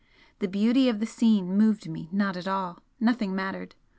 The beauty of the scene moved me not at all nothing mattered.